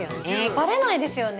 ばれないですよね。